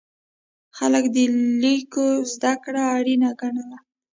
خلک د لیکلو زده کړه اړینه ګڼله.